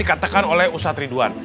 dikatakan oleh ustaz ridwan